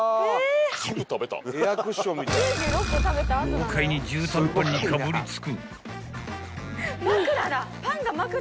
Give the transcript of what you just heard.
［豪快に絨緞パンにかぶりつく］